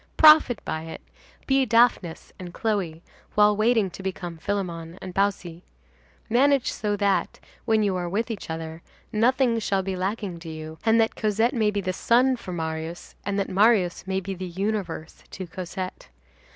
Profit by it. Be Daphnis and Chloe, while waiting to become Philemon and Baucis. Manage so that, when you are with each other, nothing shall be lacking to you, and that Cosette may be the sun for Marius, and that Marius may be the universe to Cosette.